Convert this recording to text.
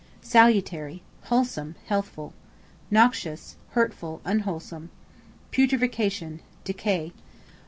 Salutary, wholesome, healthful. Noxious, hurtful, unwholesome. Putrefaction, decay.